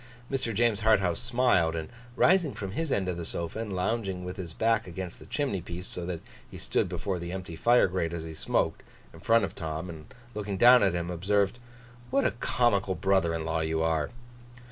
Mr. James Harthouse smiled; and rising from his end of the sofa, and lounging with his back against the chimney piece, so that he stood before the empty fire grate as he smoked, in front of Tom and looking down at him, observed: 'What a comical brother in law you are!